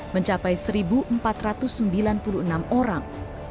mencapai satu empat ratus sembilan puluh enam orang